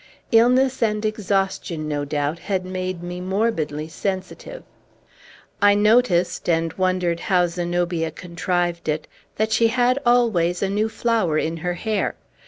Illness and exhaustion, no doubt, had made me morbidly sensitive. I noticed and wondered how Zenobia contrived it that she had always a new flower in her hair.